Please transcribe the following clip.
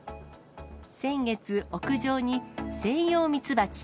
先月、屋上にセイヨウミツバチ